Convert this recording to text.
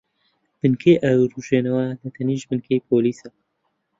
بنکەی ئاگرکوژێنەوە لەتەنیشت بنکەی پۆلیسە.